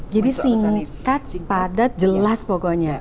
jadi singkat padat jelas pokoknya